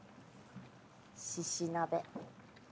しし鍋。